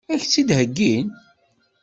Ad k-tt-id-heggin?